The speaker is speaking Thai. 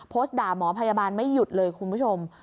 ด่าหมอพยาบาลไม่หยุดเลยคุณผู้ชม